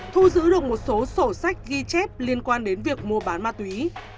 thu giữ được một số sổ sách ghi chép liên quan đến việc mua bán ma túy